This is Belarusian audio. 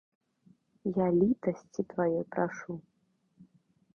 Я літасці тваёй прашу.